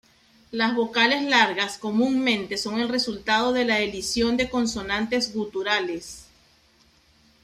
Las vocales largas comúnmente son el resultado de la elisión de consonantes guturales.